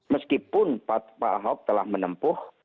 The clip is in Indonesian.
meskipun pak ahok telah menempuh